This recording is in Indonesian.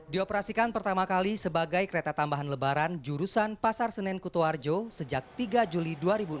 dioperasikan pertama kali sebagai kereta tambahan lebaran jurusan pasar senen kutu arjo sejak tiga juli dua ribu enam belas